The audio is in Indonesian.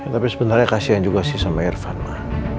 tapi sebenarnya kasihan juga sih sama irfan ma